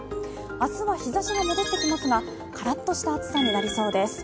明日は日ざしが戻ってきますが、からっとした暑さになりそうです。